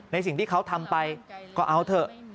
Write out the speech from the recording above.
สิ่งที่เขาทำไปก็เอาเถอะ